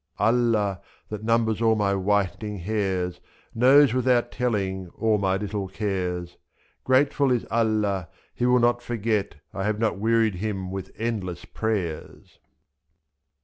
Allah, that numbers all my whitening hairs. Knows, without telling, all my little cares ; 2i3 . Grateful is Allah, he will not forget I have not wearied Him with endless prayers.